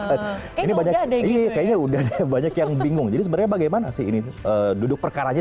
ini banyak iya kayaknya udah deh banyak yang bingung jadi sebenarnya bagaimana sih ini duduk perkaranya